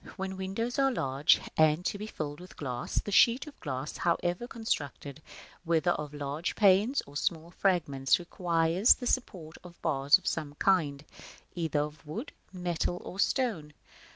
When windows are large, and to be filled with glass, the sheet of glass, however constructed, whether of large panes or small fragments, requires the support of bars of some kind, either of wood, metal, or stone.